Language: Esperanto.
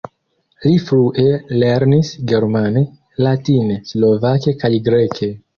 Li frue lernis germane, latine, slovake kaj greke.